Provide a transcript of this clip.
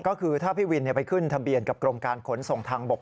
ก็คือถ้าพี่วินไปขึ้นทะเบียนกับกรมการขนส่งทางบก